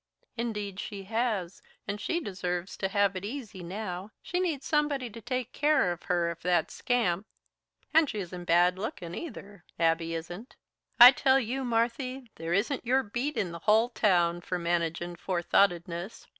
"Indeed she has, and she deserves to have it easy now. She needs somebody to take care of her if that scamp and she isn't bad lookin', either Abby isn't. I tell you, Marthy, there isn't your beat in the hull town for managin' forethoughtedness.